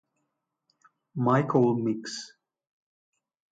Michael Meeks